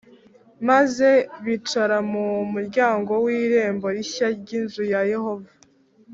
Maze bicara mu muryango w irembo rishya ry inzu ya yehova